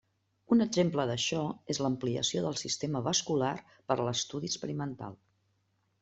Un exemple d'això és l'ampliació del sistema vascular per a l'estudi experimental.